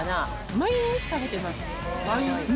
毎日食べてます。